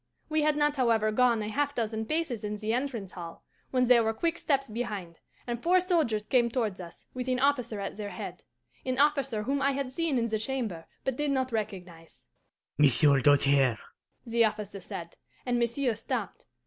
We had not, however, gone a half dozen paces in the entrance hall when there were quick steps behind, and four soldiers came towards us, with an officer at their head an officer whom I had seen in the chamber, but did not recognize. "'Monsieur Doltaire,' the officer said; and monsieur stopped.